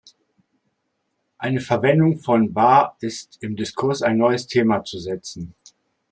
Eine Verwendung von "wa" ist, im Diskurs ein neues Thema zu setzen.